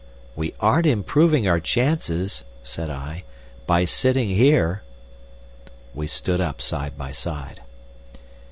"We aren't improving our chances," said I, "by sitting here." We stood up side by side.